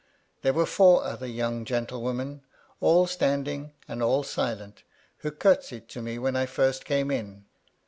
There were four other young gentle women, all standing, and all silent, who curtsied to me when I first came in.